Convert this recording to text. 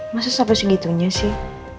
masa siapa segitunya sih